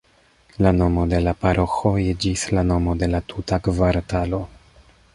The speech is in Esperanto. La nomo de la paroĥo iĝis la nomo de la tuta kvartalo.